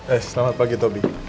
eh selamat pagi tobi